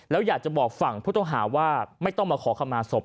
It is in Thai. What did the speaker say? เขาอยากจะบอกฝั่งพุทธหาว่าไม่ต้องมาขอขมาศพ